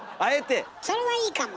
それはいいかも。